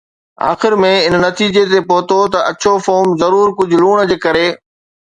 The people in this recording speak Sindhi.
آخر ۾ ان نتيجي تي پهتو ته اڇو فوم ضرور ڪجهه لوڻ جي ڪري